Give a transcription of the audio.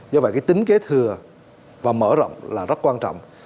do vậy cái tính kế thừa và mở rộng là rất quan trọng